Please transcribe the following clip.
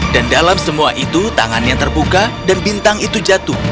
dan dalam semua itu tangannya terbuka dan bintang itu jatuh